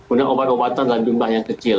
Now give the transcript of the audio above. udah obat obatan dan jumlah yang kecil